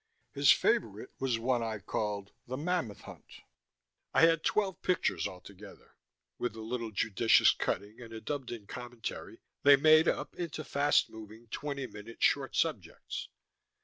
His favorite was one I called the Mammoth Hunt. I had twelve pictures altogether; with a little judicious cutting and a dubbed in commentary, they made up into fast moving twenty minute short subjects.